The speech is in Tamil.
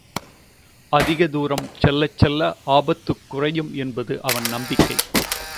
அதிக தூரம் செல்லச் செல்ல ஆபத்துக் குறையும் என்பது அவன் நம்பிக்கை.